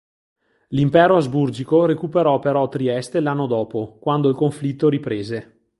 L'impero asburgico recuperò però Trieste l'anno dopo, quando il conflitto riprese.